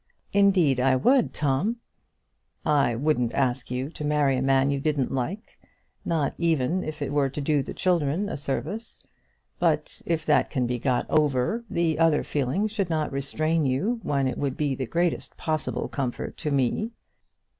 "Indeed, I would, Tom." "I wouldn't ask you to marry a man you didn't like, not even if it were to do the children a service; but if that can be got over, the other feeling should not restrain you when it would be the greatest possible comfort to me."